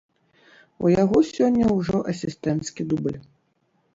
У яго сёння ўжо асістэнцкі дубль.